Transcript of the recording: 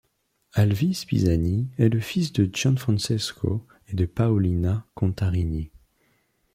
Alvise Pisani est le fils de Gianfrancesco et de Paolina Contarini.